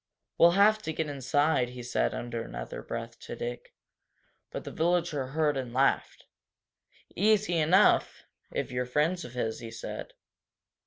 "We'll have to get inside," he said under his breath to Dick. But the villager heard, and laughed. "Easy enough, if you're friends of his," he said.